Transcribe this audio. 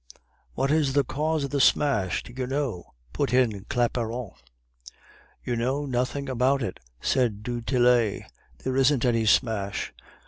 "'What is the cause of the smash; do you know?' put in Claparon. "'You know nothing about it,' said du Tillet. 'There isn't any smash.